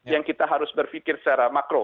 yang kita harus berpikir secara makro